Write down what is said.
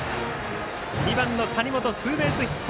２番の谷本、ツーベースヒット。